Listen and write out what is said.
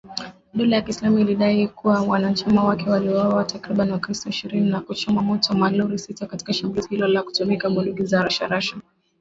Dola ya kiislamu ilidai kuwa wanachama wake waliwauwa takribani wakristo ishirini, na kuchoma moto malori sita katika shambulizi hilo kwa kutumia bunduki za rashasha